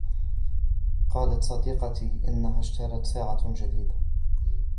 قالت صديقتي أنها اشترت ساعة جديدة.